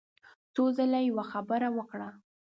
څو ځله يې يوه خبره وکړه.